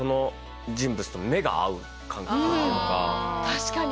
確かに。